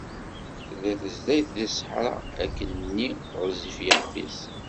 Tella tezdayt di sseḥra, akken‑nni γezzif yixef-is.